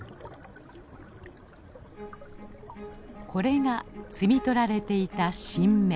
これが摘み取られていた新芽。